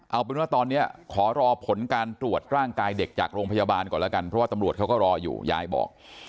เอาเป็นว่าตอนนี้ขอรอผลการตรวจร่างกายเด็กจากโรงพยาบาลก่อนแล้วกันเพราะว่าตำรวจเขาก็รออยู่ยายบอก